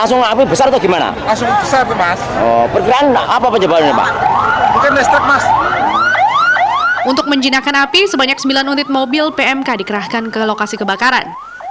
untuk menjinakkan api sebanyak sembilan unit mobil pmk dikerahkan ke lokasi kebakaran